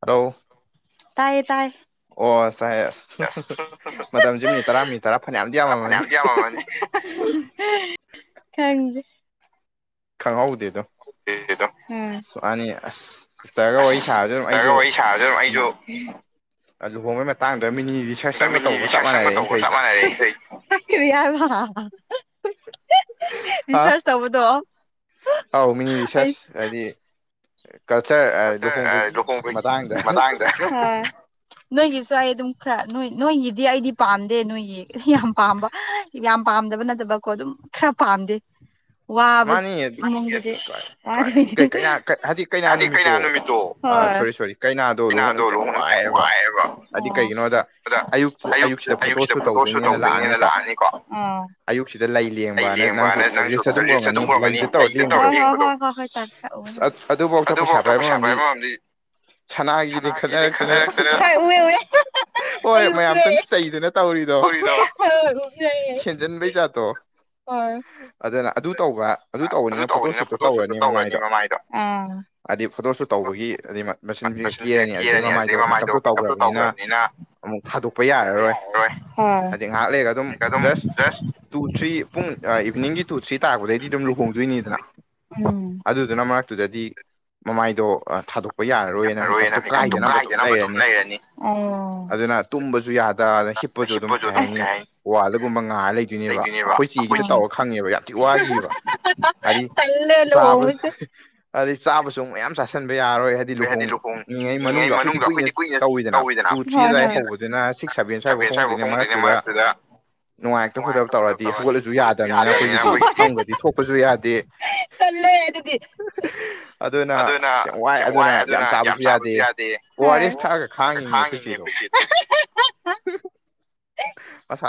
ꯍꯂꯥꯎ ꯇꯥꯏꯌꯦ ꯇꯥꯏ ꯑꯣꯁꯥꯏꯦ ꯑ ꯃꯇꯝꯁꯦ ꯃꯤꯅꯤꯠ ꯇꯔꯥ ꯃꯤ ꯇꯔꯥ ꯐꯅꯌꯥꯝꯗꯤ ꯌꯥꯝꯃꯝꯃꯅꯤ ꯈꯪꯖꯦ ꯈꯪ ꯍ ꯍꯧꯗ ꯑꯗ ꯁ ꯑꯅꯤ ꯑꯁ ꯆꯆꯔꯒ ꯋꯥꯔꯤ ꯁꯥꯔꯁꯨ ꯑꯗꯨ ꯑꯩꯁꯨ ꯖ ꯑꯁꯨ ꯑꯗꯨꯨ ꯍꯣꯡꯕꯩ ꯃꯇꯥꯡꯗ ꯃꯤꯅꯤ ꯔꯤꯁꯔꯁ ꯑꯃꯒ ꯇꯧꯕꯔꯒ ꯆꯞ ꯃꯥꯟꯅꯔꯦ ꯑꯩꯅꯊ [inaudible] ꯑ ꯑꯥꯎ ꯃꯤꯅꯤꯔꯤꯁꯔꯁ ꯍꯥꯏꯗꯤ ꯂꯨꯍꯣꯡꯕꯒꯤ ꯃꯇꯥꯥꯡꯗ ꯅꯣꯏꯒꯤꯁꯨ ꯑꯩ ꯑꯗꯨꯝ ꯈꯔꯣꯏ ꯅꯣꯏꯒꯤꯗꯤ ꯑꯩꯗꯤ ꯄꯥꯝꯗꯦ ꯅꯣꯏꯒꯤ ꯌꯥꯝ ꯄꯥꯝꯕ ꯌꯥꯝ ꯄꯥꯝꯗꯕ ꯅꯠꯇꯕꯀꯣ ꯑꯗꯨꯝ ꯈꯔ ꯄꯥꯝꯗꯦ ꯋꯥꯕ ꯃꯃꯗꯤ ꯀꯩꯅꯥ ꯅꯨꯃꯤꯠꯇꯣ ꯀꯩꯅꯥꯗꯣ ꯂꯨꯍꯣꯡ ꯅꯨꯃꯤꯠꯇꯤ ꯌꯥꯝ ꯋꯥꯏꯑꯕ ꯑꯗ ꯑꯌꯨꯛ ꯑꯌꯨꯛꯁꯤꯗ ꯐꯣꯇꯣ ꯁꯨꯠ ꯇꯧꯗꯣꯏꯅꯦꯅ ꯂꯥꯛꯑꯅꯤꯀꯣ ꯑꯌꯨꯛꯁꯤꯗ ꯂꯩ ꯂꯦꯡꯕꯅ ꯅꯪꯁꯨ ꯔꯤꯁ ꯑꯗꯨꯝ ꯎꯔꯝꯒꯅꯤ ꯑꯗꯨꯐꯥꯎꯗ ꯄꯩꯁꯥ ꯄꯥꯏꯕꯃꯝꯗꯤ ꯁꯅꯥꯒꯤꯗꯤ ꯂꯦꯡꯈꯠꯅꯔꯛꯇꯅ ꯑꯩ ꯎ꯭ꯈꯔꯦ ꯎ꯭ꯈꯔꯦ ꯑꯗꯨꯅ ꯑꯗꯨ ꯇꯧꯕ ꯑꯗꯨ ꯇꯧꯕꯅꯤꯅ ꯐꯣꯇꯣ ꯁꯨꯠꯇꯣ ꯇꯧꯔꯅꯤ ꯃꯃꯥꯏꯗꯣ ꯍꯥꯏꯗꯤ ꯐꯣꯇꯣ ꯁꯨꯠ ꯇꯧꯕꯒꯤ ꯑꯩ ꯃꯆꯤꯟꯒ ꯀꯦꯔꯅꯤ ꯑꯗꯨꯗꯒꯤ ꯃꯃꯥꯏꯗꯣ ꯃꯦꯀꯞꯇꯣ ꯇꯧꯈ꯭ꯔꯕꯅꯤꯅ ꯑꯃꯨꯛ ꯊꯥꯗꯣꯛꯄ ꯌꯥꯔꯔꯣꯏ ꯍꯥꯏꯗꯤ ꯉꯥꯏꯍꯥꯛ ꯂꯩꯒ ꯑꯗꯨꯝ ꯖꯁ ꯇꯨ ꯊ꯭ꯔꯤ ꯄꯨꯡ ꯏꯚꯅꯤꯡꯒꯤ ꯇꯨ ꯊ꯭ꯔꯤ ꯇꯥꯕꯗꯩꯗꯤ ꯑꯗꯨꯝ ꯂꯨꯍꯣꯡꯗꯣꯏꯅꯤꯗꯅ ꯑꯗꯨꯗꯨꯅ ꯃꯥ ꯇꯨꯗꯗꯤ ꯃꯃꯥꯏꯗꯣ ꯊꯥꯗꯣꯛ ꯌꯥꯔꯔꯣꯏꯅ ꯃꯦꯀꯞꯇꯣ ꯀꯥꯏꯗꯅꯕ ꯑꯗꯨꯝ ꯂꯩꯔꯅꯤ ꯑꯗꯨꯅ ꯇꯨꯝꯕꯕꯁꯨ ꯑꯗꯥꯗꯅ ꯍꯤꯞꯄꯁꯨ ꯑꯗꯨꯝ ꯀꯩ ꯍꯥꯏꯅꯤ ꯋꯥ ꯑꯗꯨꯒꯨꯝꯕ ꯉꯥꯔ ꯂꯩꯗꯣꯏꯅꯦꯕ ꯑꯩꯈꯣꯏ ꯆꯦꯒꯤꯗ ꯇꯧꯔꯒ ꯈꯪꯉꯦꯕ ꯌꯥꯝ ꯋꯥꯈꯤꯕ ꯍꯥꯏꯗꯤ ꯑꯩ ꯆꯥꯕꯁꯨꯨꯛ ꯃꯌꯥꯝ ꯆꯁꯤꯟ ꯌꯥꯔꯣꯏ ꯍꯥꯏꯗꯤ ꯂꯨꯍꯣꯡꯉꯤꯉꯩ ꯃꯅꯨꯡꯗ ꯑꯩꯈꯣꯏꯗꯤ ꯀꯨꯏꯅ ꯇꯧꯋꯤꯗꯅ ꯇꯨ ꯊ꯭ꯔꯤ ꯑꯗꯨꯋꯥꯏ ꯍꯧꯕꯗꯨꯅ ꯁꯤ ꯁꯕꯦꯟ ꯁ꯭ꯋꯥꯕ ꯐꯣꯡꯗꯣꯏꯅꯦ ꯃꯔꯛꯇꯨꯗ ꯅꯨꯡꯉꯥꯏꯔꯛꯇ ꯈꯠꯇꯕ ꯇꯧꯔꯗꯤ ꯍꯧꯒꯠꯂꯁꯨ ꯌꯥꯗꯕꯅꯤꯅ ꯑꯩꯈꯣꯏꯒꯤꯗꯤ ꯐꯪꯕꯗꯤ ꯊꯣꯛꯄꯁꯨ ꯌꯥꯗꯦ ꯑꯗꯨꯅ ꯁꯦꯡ ꯋꯥꯏ ꯑꯗꯨꯅ ꯌꯥꯝ ꯆꯥꯕꯁꯨ ꯌꯥꯗꯦ ꯑꯣ ꯑꯥꯔ ꯑꯦꯁ ꯊꯛꯑꯒ ꯈꯥꯡꯉꯤꯅꯦ ꯑꯩꯈꯣꯏꯆꯦꯗꯣ [inaudible] ꯍ [unintelligible]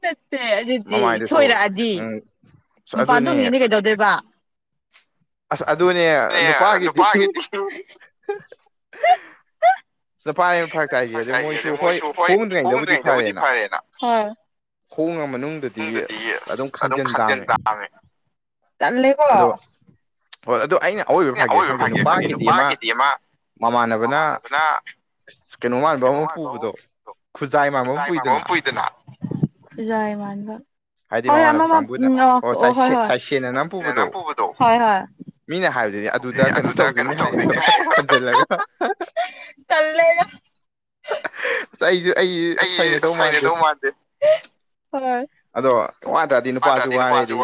ꯅꯠꯇꯦꯖꯤꯗꯤ ꯁꯣꯏꯔꯛꯑꯗꯤ ꯃꯄꯥꯟ ꯊꯣꯛꯅꯤꯡꯉꯗꯤ ꯀꯩꯗꯧꯗꯣꯏꯕ ꯑꯗꯨꯅꯦ ꯅꯨꯄꯥꯒꯤꯗꯤ ꯅꯨꯄꯥꯅꯦꯕ ꯐꯔꯛꯛꯇ ꯍꯥꯏꯁꯦ ꯑꯗ ꯃꯣꯏꯁꯨ ꯍꯣꯏ ꯍꯣꯡꯗ꯭ꯔꯤꯉꯩꯗꯕꯨꯗꯤ ꯐꯔꯦꯅ ꯍꯣꯡꯉ ꯃꯅꯨꯡꯗꯗꯤ ꯑꯁ ꯑꯗꯨꯝ ꯈꯥꯖꯤꯟ ꯇꯥꯡꯉꯦ ꯇꯥꯜꯂꯦꯀꯣ ꯑꯩꯅ ꯑꯋꯣꯏꯕ ꯍꯥꯏꯒꯦ ꯈꯪꯗꯦ ꯅꯨꯄꯥꯒꯤꯗꯤ ꯑꯃ ꯃꯃꯥꯟꯅꯕꯅ ꯀꯩꯅꯣꯃꯕꯥꯏꯕ ꯑꯃ ꯈꯨꯖꯥꯏ ꯃꯟꯕ ꯑꯃ ꯄꯨꯏꯗꯅ ꯈꯨꯖꯥꯏ ꯃꯥꯥꯟꯕ ꯍꯣꯏ ꯍꯣꯏ ꯑꯃ ꯎꯝ ꯍꯣꯏ ꯍꯣꯏ ꯍꯣꯏ ꯍꯣꯏ ꯃꯤꯅ ꯍꯥꯏꯗꯨꯗꯤ ꯑꯗꯨꯗ ꯀꯩꯅꯣ ꯇꯧꯗꯣꯏꯅꯦ ꯍꯥꯏꯌꯦꯕ ꯈꯟꯖꯤꯜꯂꯒ ꯆꯥꯏꯁꯨ ꯑꯩ ꯍꯩꯅꯗꯧ ꯃꯥꯟꯗꯦ ꯑꯗꯣ ꯋꯥꯗ꯭ꯔꯗꯤ ꯅꯨꯄꯥꯁꯨ ꯋꯥꯔꯦꯗꯤ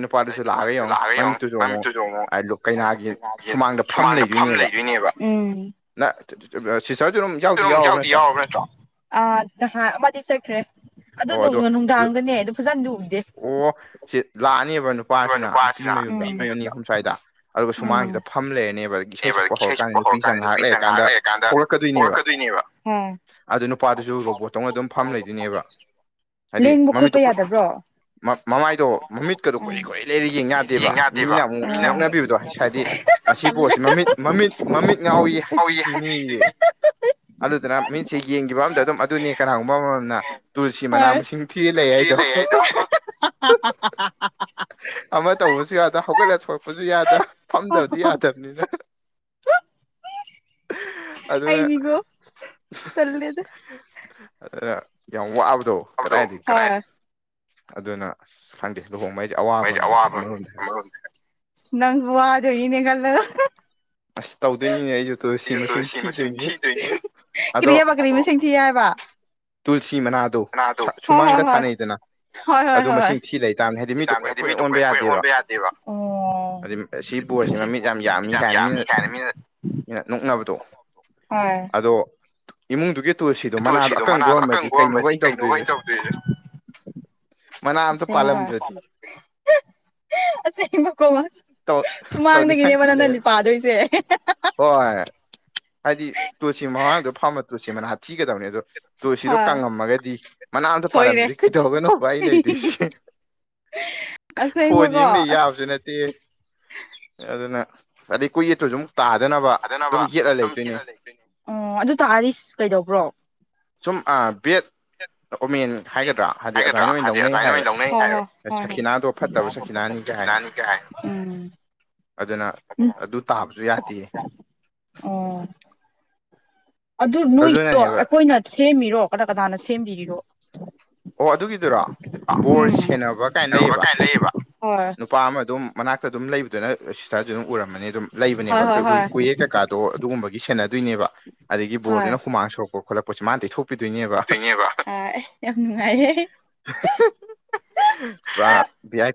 ꯅꯨꯄꯥꯗꯨꯁꯨ ꯂꯥꯛꯑꯒ ꯌꯦꯡꯉꯤ ꯃꯃꯤꯠꯇꯨꯁꯨ ꯑꯃꯨꯛ ꯀꯩꯅꯥꯒꯤ ꯁꯨꯃꯥꯡꯗ ꯐꯝ ꯂꯩꯗꯣꯏꯅꯦꯕ ꯎꯝ [inaudible] ꯌꯥ ꯌꯥꯎ꯭ꯔꯣ ꯑ ꯅꯍꯥꯟ ꯑꯃꯗꯤ ꯆꯠꯈ꯭ꯔꯦ ꯑꯣ ꯑꯗꯣ ꯑꯣ ꯁꯤ ꯂꯥꯛꯑꯅꯦꯕ ꯅꯨꯄꯥꯁꯤꯅ ꯅꯨꯄꯤ ꯃꯌꯨꯝꯗ ꯄꯨꯡ ꯑꯅꯤ ꯑꯍꯨꯝ ꯁ꯭ꯋꯥꯏꯗ ꯑꯗꯨꯒ ꯁꯨꯃꯥꯡꯁꯤꯗ ꯐꯝ ꯂꯩꯔꯅꯦꯕ ꯏꯁꯩ ꯁꯛꯄ ꯍꯧꯔꯀꯥꯟꯗ ꯅꯨꯄꯤꯁꯤ ꯉꯥꯏꯍꯥꯛ ꯂꯩꯔꯀꯥꯟꯗ ꯊꯣꯛꯂꯛꯀꯗꯣꯏꯅꯦꯕ ꯑꯗꯨ ꯅꯨꯄꯥꯗꯨꯁꯨ ꯔꯣꯕꯣꯠꯇꯧꯅ ꯑꯗꯨꯝ ꯐꯝ ꯂꯩꯗꯣꯏꯅꯦꯕ ꯍꯥꯏꯗꯤ ꯃꯃꯤꯠꯇꯨ ꯀꯨ ꯃꯃꯥꯏꯗꯣ ꯃꯃꯤꯠꯀꯗꯣ ꯀꯨꯔꯤ ꯀꯨꯏ ꯂꯩꯔꯤꯒ ꯌꯦꯡ ꯌꯥꯗꯦꯕ ꯃꯤꯅ ꯑꯃꯨꯛ ꯅꯣꯛꯅꯕꯤꯕꯗꯣ ꯍꯥꯏꯗꯤ ꯃꯁꯤ ꯄꯣꯠꯁꯤ ꯃꯃꯤꯠ ꯃꯃꯤꯠ ꯃꯃꯤꯠ ꯉꯥꯎꯏ ꯍꯥꯏꯕꯤꯗꯣꯏꯅꯤ ꯑꯗꯨꯗꯨꯅ ꯃꯤꯠꯁꯦ ꯌꯦꯡꯈꯤꯕ ꯑꯝꯗ ꯑꯗꯨꯝ ꯑꯗꯨꯅꯤ ꯀꯅꯥꯒꯨꯝꯕ ꯑꯃꯃꯝꯅ ꯇꯨꯜꯁꯤ ꯃꯅꯥ ꯃꯁꯤꯡ ꯊꯤ ꯂꯩ ꯍꯥꯏꯗꯣ [unintelligible] ꯑꯃ ꯇꯧꯕꯁꯨ ꯌꯥꯗ ꯍꯧꯒꯠꯂ ꯊꯂꯛꯄꯁꯨ ꯌꯥꯗ ꯐꯝꯗꯕꯗꯤ ꯌꯥꯗꯕꯅꯤꯅ ꯑꯗꯨꯅ ꯑꯗꯨꯅ ꯌꯥꯝ ꯋꯥꯕꯗꯣ ꯀꯗꯥꯏꯗꯒꯤ ꯑꯗꯨꯅ ꯑꯁ ꯈꯪꯗꯦ [unintelligible] ꯑꯁ ꯇꯧꯗꯣꯏꯅꯤꯅꯦ ꯑꯩꯁꯨ ꯇꯨꯜꯁꯤ ꯃꯁꯤꯡ ꯊꯤꯗꯣꯏꯅꯤ ꯑꯗꯣ ꯇꯨꯜꯁꯤ ꯃꯅꯥꯗꯣ ꯁꯨꯃꯥꯡꯗ ꯊꯥꯅꯩꯗꯅ ꯑꯗꯨ ꯃꯁꯤꯡ ꯊꯤ ꯂꯩꯇꯥꯥꯕꯅꯤ ꯍꯥꯏꯗꯤ ꯃꯤꯗꯣ ꯀꯣꯏ ꯀꯣꯏ ꯑꯣꯟꯕ ꯌꯥꯗꯦꯕ ꯍꯥꯏꯗꯤ ꯕꯣꯔꯁꯤ ꯃꯃꯤꯠ ꯌꯥꯝꯅꯤ ꯀꯥꯏꯅ ꯃꯤ [unintelligible] ꯏꯃꯨꯡꯗꯨꯒꯤ ꯇꯨꯜꯁꯤꯗꯣ ꯃꯅꯥꯗ ꯃꯅꯥꯗꯣ ꯑꯀꯪꯕ ꯑꯣꯏꯝꯃꯗꯤ ꯀꯩꯅꯣ ꯑꯣꯏꯅ ꯇꯧꯗꯣꯏꯁꯦ ꯁꯦꯡꯕ ꯁꯦꯡꯕ ꯀꯣꯃ ꯁꯨꯃꯥꯡꯗꯒꯤꯅꯦꯕ ꯅ ꯅꯅꯤ ꯄꯥꯗꯣꯏꯁꯦ ꯍꯥꯏꯗꯤ ꯇꯨꯠꯁꯤ ꯃꯃꯥꯡꯗꯣ ꯐꯝꯕ ꯇꯨꯠꯁꯤ ꯃꯅꯥ ꯊꯤꯒꯗꯕꯅꯦ ꯑꯗꯣ ꯇꯨ ꯁꯤꯗꯣ ꯀꯪꯉꯝꯃꯒꯗꯤ ꯃꯅꯥ ꯑꯝꯇ ꯄꯥꯜꯂꯝꯗꯗꯤ ꯀꯩꯗꯧꯔꯒꯅꯣꯕ ꯑꯩꯅ ꯏꯗꯣꯏꯁ ꯐꯣꯟ ꯌꯦꯡꯗ ꯌꯥꯕꯁꯨ ꯅꯠꯇꯦ ꯑꯗꯨꯅ [unintelligible] [unintelligible] ꯎ ꯑꯗꯨ ꯇꯥꯔꯗꯤ ꯀꯩꯗꯧꯕ꯭ꯔꯣ ꯑ ꯕꯦꯠ ꯑꯣꯃꯦꯟ ꯍꯥꯏꯒꯗ꯭ꯔꯥ ꯍꯥꯏꯗꯤ ꯑꯗꯨꯃꯥꯏꯅ ꯑꯣꯏꯅ ꯂꯧꯅꯩ ꯍꯥꯏꯌꯦꯕ ꯁꯈꯤꯅꯥꯗꯣ ꯐꯠꯇꯕ ꯁꯈꯤꯅꯥꯅꯤ ꯀꯇꯅꯥꯅꯤ ꯀꯦ [inaudible] ꯑꯗꯨꯅ ꯑꯗꯨ ꯇꯥꯕꯁꯨ ꯌꯥꯗꯦꯌꯦ ꯑꯗꯨ ꯅꯣꯏꯒꯤꯗꯣ ꯑꯩꯈꯣꯏꯅ ꯁꯦꯝꯃꯤꯔꯣ ꯀꯅꯥ ꯀꯅꯥꯅ ꯁꯦꯝꯕꯤꯔꯤꯔꯣ ꯑꯣ ꯑꯗꯨꯒꯤꯗꯨꯔꯣ ꯕꯣꯔ ꯁꯦꯟꯅꯕ ꯀꯥꯏꯅ ꯂꯩꯌꯦꯕ ꯅꯨꯄꯥ ꯑꯃ ꯑꯗꯨꯝ ꯃꯅꯥꯛꯇ ꯑꯗꯨꯝ ꯂꯩꯕꯗꯨꯅ ꯁꯤꯁꯇꯔꯁꯨ ꯑꯗꯨꯝ ꯎꯔꯝꯃꯅꯤ ꯑꯗꯨꯝ ꯂꯩꯕꯅꯦꯕ ꯀꯨꯌꯦ ꯀꯩꯀꯥꯗꯣ ꯑꯗꯨꯒꯨꯝꯕꯒꯤ ꯁꯦꯟꯅꯗꯣꯏꯅꯦꯕ ꯑꯗꯒꯤ ꯕꯣꯔꯗꯨꯅ ꯍꯨꯃꯥꯡ ꯁꯣꯛꯛꯄ ꯈꯣꯠꯂꯛꯄ ꯄꯣꯠꯁꯤ ꯃꯥꯅꯇꯩ ꯊꯣꯛꯄꯤꯗꯣꯏꯅꯦꯕ ꯄꯨꯔꯥ ꯌꯥꯏ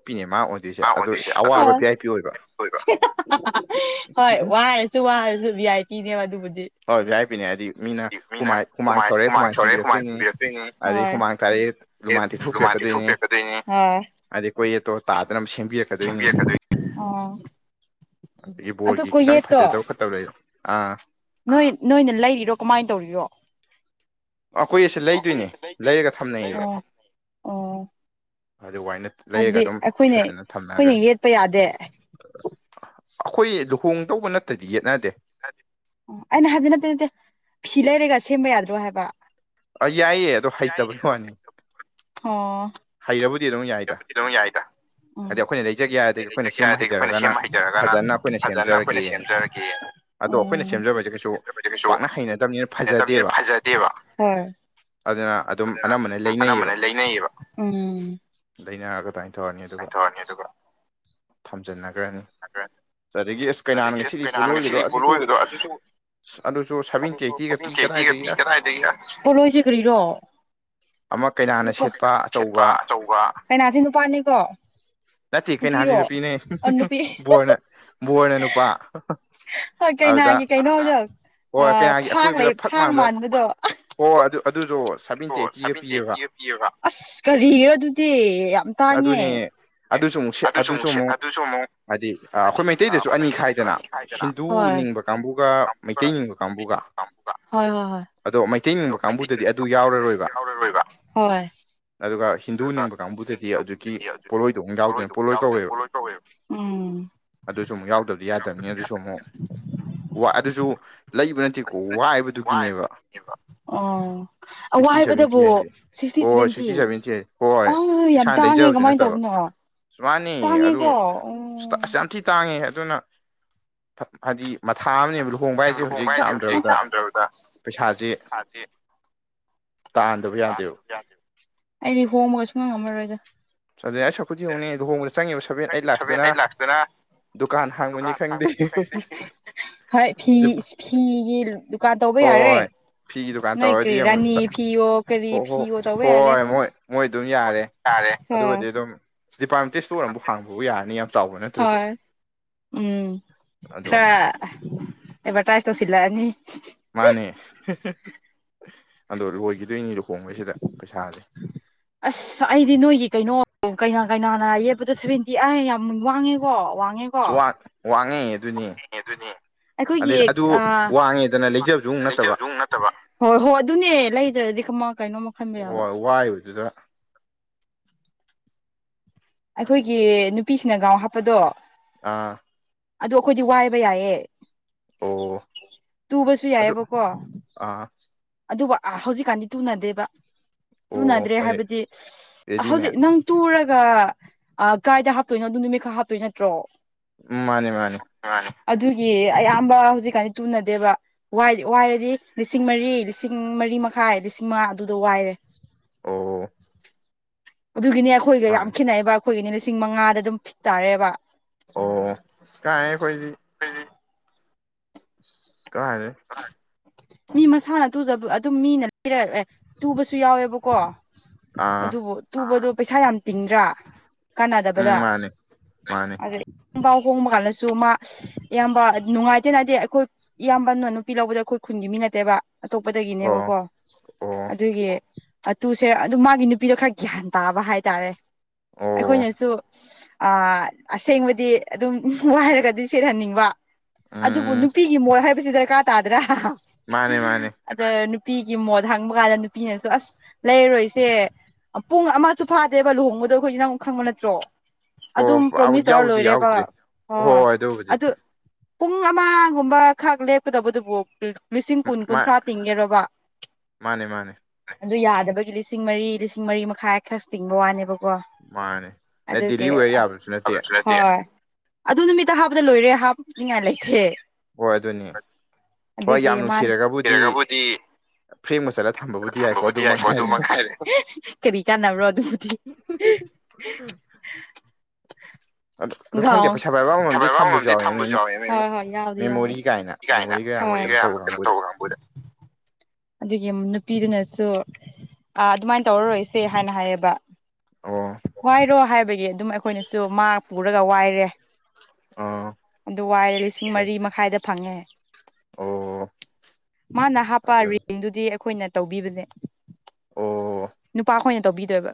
ꯃꯣꯗꯤꯁꯦ ꯑꯗꯨ ꯑꯋꯥꯕ ꯀꯌꯥ ꯄꯤ ꯑꯣꯏꯕ [inaudible] ꯍꯣꯏ ꯋꯥꯔꯁꯨ ꯋꯥꯔꯁꯨ ꯚꯤ ꯑꯥꯏ ꯄꯤꯅꯦꯕ ꯑꯗꯨꯕꯨꯗꯤ ꯑꯣ ꯑꯗꯨ ꯌꯥ ꯕꯤꯌꯥꯏꯄꯤꯅꯦ ꯍꯥꯏꯗꯤ ꯃꯤꯅ ꯍꯨꯃ ꯍꯨꯃꯥꯡ ꯆꯥꯎꯧꯔꯛꯑꯦ ꯍꯨꯃꯥꯡ ꯍꯨꯟꯕꯤꯔꯛꯇꯣꯏꯅꯤ ꯑꯗꯩ ꯍꯨꯃꯥꯡ ꯇꯥꯔꯛ ꯂꯨꯃꯥꯟ ꯇꯤꯊꯣꯛꯄꯤꯔꯛꯀꯗꯣꯏꯅꯦ ꯑ ꯀꯣꯏ ꯇꯣ ꯇꯥꯗꯅ ꯁꯦꯝꯕꯤꯔꯛꯀꯗꯣꯏꯅꯤ ꯑꯗꯨꯗꯒꯤ ꯕꯣꯜꯒꯤ ꯈꯤꯇꯪ ꯐꯖꯗꯕ ꯈꯠꯇꯕ ꯂꯩ ꯑꯥ ꯅꯣꯏ ꯅꯣꯏꯅ ꯂꯩꯔꯤꯔꯣ ꯀꯃꯥꯏꯅ ꯇꯧꯔꯤꯔꯣ ꯑꯩꯈꯣꯏ ꯑꯁꯦ ꯂꯩꯗꯣꯏꯅꯦ ꯂꯩꯔꯒ ꯊꯝꯅꯩꯌꯦꯕ ꯑꯗꯨ ꯋꯥꯅ ꯂꯩꯔꯒ ꯑꯗꯨꯝ ꯐꯖꯅ ꯊꯝꯅꯈ꯭ꯔꯦ ꯑꯩꯈꯣꯏ ꯂꯨꯍꯣꯡꯗꯧꯕ ꯅꯠꯇꯗꯤ ꯌꯦꯠꯅꯗꯦ ꯑꯣ ꯑꯩꯅ ꯍꯥꯏꯕ ꯅꯠꯇ ꯅꯠꯇꯦ ꯐꯤ ꯂꯩꯔꯒ ꯁꯦꯝꯕ ꯌꯥꯗ꯭ꯔꯣ ꯍꯥꯏꯕ [inaudible] ꯑꯣ ꯑꯩꯒꯗ ꯌꯥꯏꯗ ꯎ ꯑꯩꯈꯣꯏꯅ ꯂꯩꯖꯒꯦ ꯍꯥꯏꯗꯒꯤ ꯑꯩꯈꯣꯏꯅ ꯁꯦꯝꯃ ꯍꯩꯖꯔꯒꯅ ꯐꯖꯅ ꯑꯩꯈꯣꯏꯅ ꯁꯦꯝꯖꯔꯒꯦ ꯎꯕ ꯀꯩꯁꯨꯅꯗꯕꯅꯤꯅ ꯐꯖꯗꯦꯕ ꯎ ꯑꯗꯨꯅ ꯑꯗꯨꯝ ꯑꯅꯝꯕꯅ ꯂꯩꯅꯩꯌꯦꯕ ꯎ ꯂꯩꯅꯔꯒ ꯑꯗꯨꯃꯥꯏ ꯇꯧꯔꯅꯤ ꯑꯗꯨꯒ ꯊꯝꯖꯤꯟꯅ ꯒ꯭ꯔꯅꯤ ꯑꯗꯒꯤ ꯑꯁ ꯀꯩꯅꯥꯅꯒ ꯁꯦꯠꯂꯤ ꯄꯣꯠꯂꯣꯏꯒꯗꯣ ꯑꯗꯨꯁꯨ ꯑꯗꯨꯁꯨ ꯁꯦꯚꯦꯟꯇꯤ ꯑꯩꯠꯇꯤꯒ ꯄꯤ ꯀꯗꯥꯏꯗꯒꯤ ꯑꯁ ꯑꯃ ꯀꯩꯅꯥꯅ ꯁꯦꯠꯄ ꯑꯆꯧꯕ ꯄꯥ ꯑꯆꯧꯕ ꯀꯅꯥꯁꯤ ꯅꯨꯄꯥꯅꯤꯀꯣ ꯅꯠꯇꯦ ꯀꯩꯅꯥꯗꯤ ꯅꯨꯄꯤꯅꯦ ꯕꯣꯔꯅ ꯕꯣꯔꯅ ꯅꯨꯄꯥ ꯑꯗꯨꯗ ꯍꯣꯏ ꯀꯩꯅꯥꯒꯤ ꯑꯀꯣꯏꯕꯗ ꯐꯛ ꯃꯥꯟꯕ ꯍꯣꯏ ꯑꯗꯨ ꯑꯗꯨꯁꯨ ꯑꯗꯨꯁꯨ ꯁꯕꯦꯟꯇꯤ ꯑꯩꯠꯇꯤꯒ ꯄꯤ ꯑꯕ ꯑꯁ ꯀꯔꯤꯔ ꯑꯗꯨꯗꯤ ꯌꯥꯝ ꯇꯥꯡꯉꯦ ꯑꯦ ꯑꯗꯨꯁꯨ ꯑꯃꯨꯛ ꯑꯗꯨꯁꯨ ꯑꯃꯨꯛ ꯍꯥꯏꯗꯤ ꯑꯩꯈꯣꯏ ꯃꯩꯇꯩꯗꯁꯨ ꯑꯅꯤ ꯈꯥꯏꯗꯅ ꯍꯣꯏ [unintelligible] ꯍꯣꯏ ꯍꯣꯏ ꯍꯣꯏ ꯑꯗꯣ ꯃꯩꯇꯩꯅꯤꯡꯕ ꯀꯥꯡꯕꯨꯗꯗꯤ ꯑꯗꯨ ꯌꯥꯎꯔꯔꯣꯏꯕ ꯑꯗꯨꯒ ꯍꯤꯟꯗꯨꯅꯤꯡꯕ ꯀꯥꯡꯕꯨꯗꯗꯤ ꯑꯗꯨꯒꯤ ꯄꯣꯠꯂꯣꯏꯗꯣ ꯑꯃꯨ ꯌꯥꯎꯗꯣꯏꯅ ꯄꯣꯠꯂꯣꯏ ꯀꯧꯋꯦꯕ ꯑꯗꯨꯁꯨ ꯑꯃꯨꯛ ꯌꯥꯎꯗꯕꯗꯤ ꯌꯥꯗꯕꯅꯤ ꯑꯗꯨꯁꯨ ꯑꯃꯨꯛ ꯋꯥ ꯑꯗꯨꯁꯨ ꯂꯩꯕ ꯅꯠꯇꯦꯀꯣ ꯋꯥꯏꯕꯗꯨꯒꯤꯅꯦꯕ ꯁꯤꯛꯁꯇꯤ ꯁꯚꯦꯟꯇꯤ ꯍꯥꯏꯁꯦ ꯍꯣꯏ ꯍꯣꯏ ꯁꯤꯛꯁꯇꯤ ꯁꯚꯦꯟꯇꯤ ꯍꯣꯏ ꯏꯁꯥꯅ ꯂꯩꯖꯕꯁꯨ ꯅꯠꯇꯕ ꯃꯥꯅꯦ ꯑꯗꯨ ꯑꯁ ꯌꯥꯝ ꯊꯤ ꯇꯥꯡ ꯉꯦ ꯑꯗꯨꯅ ꯍꯥꯏꯗꯤ ꯃꯊꯥ ꯑꯃꯅꯦꯕ ꯂꯨꯍꯣꯡꯕ ꯍꯥꯏꯁꯦ ꯍꯧꯖꯤꯛ ꯌꯥꯝꯗ꯭ꯔꯕꯗ ꯄꯩꯁꯥꯥꯁꯤ ꯑꯩꯗꯤ ꯍꯣꯡꯕꯒ ꯁꯨꯡꯉꯝ ꯉꯝꯃꯔꯣꯏꯗ [unintelligible] ꯑꯗꯨꯏ ꯁꯔꯨꯛꯄꯨꯗꯤ ꯌꯦꯡꯉꯨꯅꯦ ꯂꯨꯍꯣꯡꯕꯗ ꯆꯪꯉꯤꯕ ꯁꯚꯦꯟ ꯑꯩꯠ ꯂꯥꯛꯁꯇꯨꯅ ꯗꯨꯀꯥꯟ ꯍꯥꯡꯕꯅꯤ ꯈꯪꯗꯦ ꯍꯣꯏ ꯐꯤ ꯐꯤꯒꯤ ꯗꯨꯀꯥꯟ ꯇꯧꯕ ꯌꯥꯔꯦ ꯐꯤꯒꯤ ꯗꯨꯀꯥꯟ ꯇꯧꯔꯗꯤ ꯌꯦꯡꯉꯨ ꯍꯣꯏ ꯍꯣ ꯍꯣꯏ ꯍꯣꯏ ꯃꯣꯏ ꯃꯣꯏ ꯑꯗꯨꯝ ꯌꯥꯔꯦ ꯑꯗꯨꯒꯗꯤ ꯑꯗꯨꯝ ꯗꯤꯄꯥꯔꯠꯃꯦꯟꯇꯦꯜ ꯏꯁꯇꯣꯔ ꯑꯃ ꯍꯥꯡꯕꯕꯨ ꯌꯥꯔꯅꯤ ꯌꯥꯝ ꯆꯥꯎꯕ ꯅꯠꯇ꯭ꯔꯁꯨ ꯎꯝ ꯈꯔ ꯑꯦꯠꯚꯔꯇꯥꯏꯁ ꯇꯧꯁꯤꯜꯂꯛꯑꯅꯤ ꯃꯥꯅꯦ ꯑꯗꯣ ꯂꯨꯏꯈꯤꯗꯣꯏꯅꯤ ꯂꯨꯍꯣꯡꯕꯁꯤꯗ ꯄꯩꯁꯥꯁꯦ ꯑꯁ ꯑꯩꯗꯤ ꯅꯣꯏꯒꯤ ꯀꯩꯅꯣ ꯀꯩꯅꯥ ꯀꯩꯅꯥꯅ ꯌꯦꯛꯄꯗꯣ ꯁꯚꯦꯟꯇꯤ ꯑꯩ ꯌꯥꯝ ꯋꯥꯡꯉꯦꯀꯣ ꯋꯥꯡꯉꯦꯀꯣ ꯋꯥꯡꯉꯦ ꯑꯗꯨꯅꯤ ꯑꯩꯈꯣꯏꯒꯤ ꯑ ꯂꯩꯖꯕꯁꯨ ꯑꯃꯨꯛ ꯅꯠꯇꯕ ꯍꯣꯏ ꯍꯣꯏ ꯑꯗꯨꯅꯦ ꯂꯩꯗ꯭ꯔꯗꯤ ꯀꯃꯥꯏ ꯍꯣꯏ ꯋꯥꯏꯕꯗꯨꯗ ꯑꯩꯈꯣꯏꯒꯤ ꯅꯨꯄꯤꯁꯤꯡꯅ ꯒꯥꯎꯟ ꯍꯥꯞꯄꯗꯣ ꯑꯥ ꯑꯗꯨ ꯑꯩꯈꯣꯏꯗꯤ ꯋꯥꯏꯕ ꯌꯥꯏꯌꯦ ꯇꯨꯕꯁꯨ ꯌꯥꯏꯌꯦꯕꯀꯣ ꯑꯗꯨꯕꯨ ꯍꯧꯖꯤꯛꯀꯥꯟꯗꯤ ꯇꯨꯅꯗꯦꯕ ꯇꯨꯅꯗ꯭ꯔꯦ ꯍꯥꯏꯕꯗꯤ ꯍꯧꯖꯤꯛ ꯅꯪ ꯇꯨꯔꯒ ꯑ ꯀꯥꯏꯗ ꯍꯥꯞꯇꯣꯏꯅꯣ ꯑꯗꯨ ꯅꯨꯃꯤꯠ ꯈꯛ ꯍꯥꯞꯇꯣꯏ ꯅꯠꯇ꯭ꯔꯣ ꯃꯥꯅꯦ ꯃꯥꯅꯦ ꯑꯗꯨꯒꯤ ꯑꯌꯥꯝꯕ ꯍꯧꯖꯤꯛꯀꯥꯟꯗꯤ ꯇꯨꯅꯗꯦꯕ ꯋꯥꯏꯔꯗꯤ ꯂꯤꯁꯤꯡ ꯃꯔꯤ ꯂꯤꯁꯤꯡ ꯃꯔꯤ ꯃꯔꯤ ꯃꯈꯥꯏ ꯂꯤꯁꯤꯡ ꯃꯉꯥ ꯑꯗꯨꯗꯣ ꯋꯥꯏꯔꯦ ꯑꯣ ꯑꯗꯨꯒꯤꯅꯦ ꯑꯩꯈꯣꯏꯒ ꯌꯥꯝ ꯈꯦꯠꯅꯩꯑꯕ ꯑꯩꯈꯣꯏꯒꯤꯅꯦ ꯂꯤꯁꯤꯡ ꯃꯉꯥꯗ ꯑꯗꯨꯝ ꯐꯤꯠ ꯇꯥꯔꯦꯕ ꯑꯣ ꯀꯥꯏ ꯑꯈꯣꯏꯗꯤ ꯀꯥꯏꯗꯩ ꯃꯤ ꯃꯁꯥꯅ ꯇꯨꯖꯕ ꯑꯗꯨꯝ ꯃꯤꯅ ꯄꯤ ꯑꯦ ꯇꯨꯕꯁꯨ ꯌꯥꯎꯋꯦꯕꯀꯣ ꯑꯗꯨꯕꯨ ꯇꯨꯕꯗꯣ ꯄꯩꯁꯥ ꯌꯥꯝ ꯇꯤꯡꯗ꯭ꯔꯥ ꯀꯥꯟꯅꯗꯕꯗ ꯑꯗꯨꯗꯤ ꯏꯌꯥꯝꯕ ꯍꯣꯡꯕ ꯀꯥꯟꯗꯁꯨ ꯃꯥ ꯑꯌꯥꯝꯕ ꯅꯨꯡꯉꯥꯏ ꯏꯠꯇꯦꯅꯗꯦ ꯑꯩꯈꯣꯏ ꯏꯌꯥꯝꯕꯅꯣ ꯅꯨꯄꯤ ꯂꯧꯕꯗ ꯑꯩꯈꯣꯏ ꯈꯨꯟꯒꯤ ꯃꯤ ꯅꯠꯇꯦꯕ ꯑꯇꯣꯞꯄꯗꯒꯤꯅꯦꯕꯀꯣ ꯑꯗꯨꯒꯤ ꯑꯗꯨꯨꯁꯦ ꯑꯗꯨ ꯃꯥꯒꯤ ꯅꯨꯄꯤꯗꯣ ꯈꯔ ꯒ꯭ꯌꯥꯟ ꯇꯥꯕ ꯍꯥꯏꯇꯥꯔꯦ ꯑꯩꯈꯣꯏꯅꯁꯨ ꯑ ꯑꯁꯦꯡꯕꯗꯤ ꯑꯗꯨꯝ ꯋꯥꯏꯔꯒꯗꯤ ꯁꯦꯠꯍꯟꯅꯤꯡꯕ ꯑꯗꯨꯕꯨ ꯅꯨꯄꯤꯒꯤ ꯃꯣꯠ ꯍꯥꯏꯕꯁꯤ ꯗꯔꯀꯥꯔ ꯇꯥꯗ꯭ꯔꯥ ꯑꯗ ꯅꯨꯄꯤꯒꯤ ꯃꯣꯠ ꯍꯪꯕ ꯀꯥꯟꯗ ꯅꯨꯄꯤꯅꯁꯨ ꯑꯁ ꯂꯩꯔꯣꯏꯁꯦ ꯄꯨꯡ ꯑꯃꯁꯨ ꯐꯥꯗꯦꯕ ꯂꯨꯍꯣꯡꯕꯗꯣ ꯑꯩꯈꯣꯏꯁꯤ ꯅ ꯑꯃꯨꯛ ꯈꯪꯕ ꯅꯠꯇ꯭ꯔꯣ ꯑꯗꯨꯝ ꯄ꯭ꯔꯣꯃꯤꯁ ꯇꯧꯔ ꯂꯣꯏꯔꯦꯕ ꯍꯣꯏꯣꯏ ꯑꯗꯨ ꯄꯨꯡ ꯑꯃꯒꯨꯝꯕ ꯈꯛ ꯂꯦꯞꯀꯗꯧꯕꯗꯨꯕꯨ ꯂꯤꯁꯤꯡ ꯀꯨꯟ ꯀꯨꯟꯊ꯭ꯔꯥ ꯇꯤꯡꯒꯦꯔꯕ ꯑꯗꯨ ꯌꯥꯗꯕꯒꯤ ꯂꯤꯁꯤꯡ ꯃꯔꯤ ꯂꯤꯁꯤꯡ ꯃꯔꯤ ꯃꯈꯥꯏ ꯈꯔ ꯇꯤꯡꯕ ꯋꯥꯅꯦꯕꯀ ꯀꯣ ꯑꯗꯨꯒꯤ ꯍꯣꯏ ꯑꯗꯨ ꯅꯨꯃꯤꯠꯇ ꯍꯥꯞꯕꯗ ꯂꯣꯏꯔꯦ ꯍꯥꯞꯕ ꯄꯅꯤꯡꯉꯥꯏ ꯂꯩꯇꯦ ꯍꯣꯏ ꯑꯗꯨꯅꯤ ꯑꯗꯨꯒꯤ ꯃꯥꯔꯒꯕꯨꯗꯤ ꯊꯣ ꯑꯗꯨ ꯃꯉꯥꯏꯔꯦ ꯀꯔꯤ ꯀꯥꯟ ꯅꯔꯑꯣ ꯑꯗꯨꯤ ꯎꯝ ꯊꯕꯣꯟꯗꯤ ꯊꯝꯕꯁꯨ ꯌꯥꯎꯋꯦ ꯌꯥ ꯌꯥ ꯒꯥꯃꯅ ꯇꯧꯔ ꯀꯥꯡꯄꯔꯦ [unintelligible] ꯑꯗꯨꯒꯤ ꯅꯨꯄꯤꯗꯨꯅꯁꯨ ꯑ ꯑꯗꯨꯃꯥꯏꯅ ꯇꯧꯔꯔꯣꯏꯁꯦ ꯍꯥꯏꯅ ꯍꯥꯏꯌꯦꯕ ꯋꯥꯏꯔꯣ ꯍꯥꯏꯕꯒꯤ ꯑꯗꯨꯝ ꯑꯩꯈꯣꯏꯅꯁꯨ ꯃꯥ ꯄꯨꯔꯒ ꯋꯥꯏꯔꯦ ꯑꯗꯨ ꯋꯥꯏꯔꯦ ꯂꯤꯁꯤꯡ ꯃꯔꯤ ꯃꯈꯥꯏꯗ ꯐꯪꯉꯦ ꯃꯥ ꯅꯍꯥꯄꯥ ꯑꯩꯈꯣꯏꯅ ꯇꯧꯕꯤꯕꯅꯦ ꯅꯨꯄꯥ ꯈꯈꯣꯏꯅ ꯇꯧꯕꯤꯗꯣꯏꯕ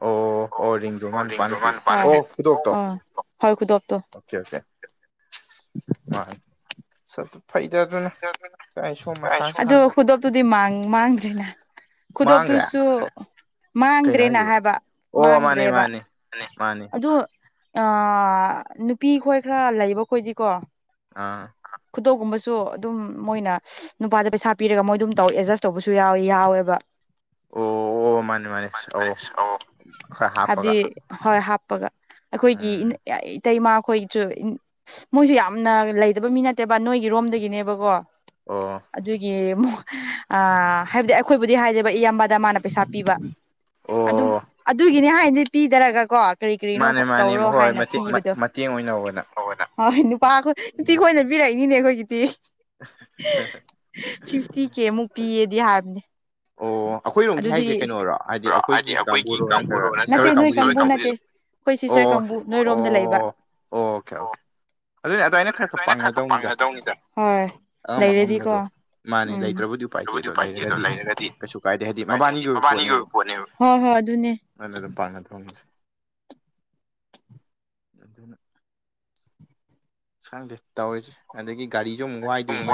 ꯑꯣ ꯑꯣ ꯑꯣ ꯔꯤꯡꯗꯣ ꯃꯥ ꯅꯨꯄꯥꯅ ꯄꯤꯌꯨ ꯑꯣ ꯈꯨꯗꯣꯛꯇꯣ ꯑꯣꯀꯦ ꯑꯣꯀꯦ ꯃꯥ ꯁ ꯑꯗꯨꯣ ꯈꯨꯗꯣꯞꯇꯨꯗꯤ ꯃꯥꯡꯗ꯭ꯔꯤꯅ ꯈꯨꯗꯣꯞꯇꯨꯁꯨ ꯃꯥꯡꯗ꯭ꯔꯦꯅ ꯍꯥꯏꯕ ꯃꯥꯡꯗ꯭ꯔꯦꯕ ꯑꯗꯨ ꯑ ꯅꯨꯄꯤ ꯈꯣꯏ ꯈꯔ ꯂꯩꯕ ꯈꯣꯏꯗꯤꯀꯣ ꯑꯥ ꯈꯨꯗꯣꯒꯨꯝꯕꯁꯨ ꯑꯗꯨꯝ ꯃꯣꯏꯅ ꯅꯨꯄꯥꯗ ꯄꯩꯁꯥ ꯄꯤꯔꯒ ꯃꯣꯏ ꯑꯗꯨꯝ ꯇꯧ ꯑꯦꯗꯖꯁ ꯇꯧꯕꯁꯨ ꯌꯥꯎꯋꯦ ꯌꯥꯎꯋꯦꯕ ꯍꯥꯏꯗꯤ ꯍ ꯍꯥꯞ ꯒ ꯑꯩꯈꯣꯏꯒꯤ ꯏꯇꯩ ꯏꯃꯥꯈꯣꯏꯁꯨ ꯃꯣꯏꯁꯨ ꯌꯥꯝꯅ ꯂꯩꯗꯕ ꯃꯤ ꯅꯠꯇꯦꯕ ꯅꯣꯏꯒꯤ ꯔꯣꯝꯗꯒꯤꯅꯦꯕꯀꯣ ꯑꯗꯨꯒꯤ ꯑ ꯍꯥꯏꯕꯗꯤ ꯑꯩꯈꯣꯏꯕꯨꯗꯤ ꯍꯥꯏꯖꯦꯕ ꯏꯌꯥꯝꯕꯗ ꯃꯥꯅ ꯄꯩꯁꯥ ꯄꯤꯕ ꯑꯗꯨꯝ ꯑꯗꯨꯒꯤꯅꯤ ꯍꯥꯏꯅꯗꯤ ꯄꯤꯗꯔꯒꯀꯣ ꯀꯔꯤ ꯀꯔꯤꯅꯣ ꯇꯧꯔꯣ ꯍꯥꯏꯅ ꯄꯤꯕꯗꯣ ꯍ ꯅꯨꯄꯥꯈ ꯅꯨꯡꯇꯤ ꯈꯣꯏꯅ ꯄꯔꯛꯏꯅꯤꯅꯦ ꯑꯩꯈꯣꯏꯒꯤꯗꯤ ꯐꯤꯐꯇꯤ ꯀꯦꯃꯨꯛ ꯄꯤꯌꯦꯗꯤ ꯍꯥꯏꯕꯅꯦ ꯑꯗꯨꯗꯤ ꯍꯥꯏꯗꯤ ꯑꯩꯈꯣꯏꯒꯤꯕꯨꯠꯇ ꯅꯣꯏ ꯅꯠꯇꯦ ꯑꯩꯈꯣꯏ ꯁꯤꯁꯇꯔ ꯀꯥꯡꯕꯨ ꯅꯣꯏꯔꯣꯝꯗ ꯂꯩꯕ ꯑꯣꯀꯦ ꯑꯣꯀꯦ ꯑꯗꯨꯅ ꯑꯗꯨꯏꯅ ꯈꯔ ꯈꯔ ꯄꯥꯡꯒꯗꯧꯅꯤꯗ ꯑꯉꯝ ꯑꯉꯝꯕꯗꯣ ꯃꯥꯅꯦ ꯂꯩꯇ꯭ꯔꯕꯨꯗꯤ ꯎꯄꯥꯏꯇꯦ ꯑꯗꯣ ꯂꯩꯔꯒꯗꯤ ꯀꯩ ꯀꯥꯏꯗ ꯍꯥꯏꯗꯤ ꯃꯕꯥꯅꯤꯒꯤ ꯑꯣꯏꯕ ꯄꯣꯠꯅꯦꯕ ꯑꯗꯨꯅ ꯑꯗꯨꯝ ꯄꯥꯅ ꯊꯣꯡꯉ ꯑꯗꯨꯅ ꯁꯪꯗꯦ ꯇꯧꯔꯤꯁꯦ ꯑꯗꯒꯤ ꯒꯥꯔꯤꯁꯨ ꯑꯃꯨꯛ ꯋꯥꯏꯗꯣꯏꯅꯤ